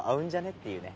っていうね。